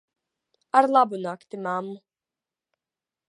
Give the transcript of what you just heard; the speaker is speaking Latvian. Ar labu nakti, mammu.